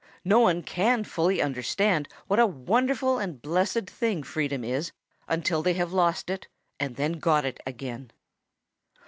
No one can fully understand what a wonderful and blessed thing freedom is until they have lost it and then got it again.